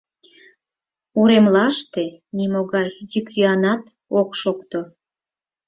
Уремлаште нимогай йӱк-йӱанат ок шокто.